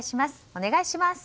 お願いします。